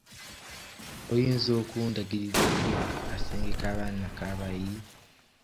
Oyinza okundagirirako mu kasenge k'abaana ak'abayi?